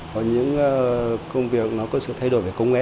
có những công việc nó có sự thay đổi về công nghệ